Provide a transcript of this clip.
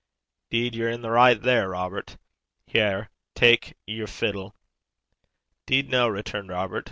''Deed ye're i' the richt, there, Robert. Hae, tak' yer fiddle.' ''Deed no,' returned Robert.